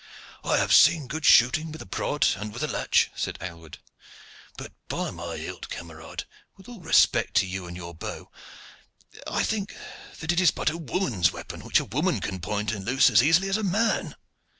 "I have seen good shooting with the prod and with the latch," said Aylward, "but, by my hilt! camarade, with all respect to you and to your bow, I think that is but a woman's weapon, which a woman can point and loose as easily as a man."